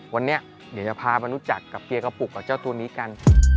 วันนี้เดี๋ยวจะพาพานุจักกับเกียร์กะปุกตัวนี้กัน